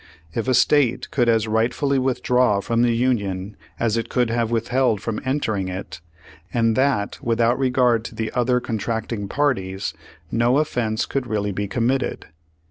If a state could as rightfully withdraw from the Union as it could have withheld from entering it, and that without regard to the other contracting parties, no offense could really be committed.